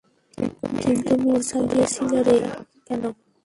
কিন্তু মূর্ছা গিয়েছিলে কেন?